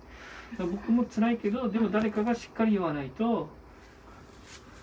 僕もつらいけど、でも誰かがしっかり言わないと。